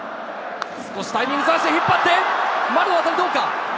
少しタイミング差して引っ張って、丸の当たりはどうか？